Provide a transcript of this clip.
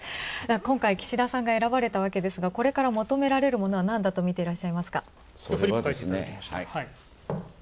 今回、岸田さんが選ばれたわけですがこれから求められるものは、なんだとみていらっしゃいますか？